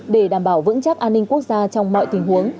để đảm bảo vững chắc an ninh quốc gia trong mọi tình huống